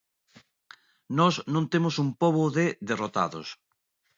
Nós non temos un pobo de derrotados.